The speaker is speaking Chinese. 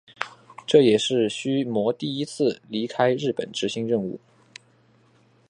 这也是须磨第一次离开日本执行任务。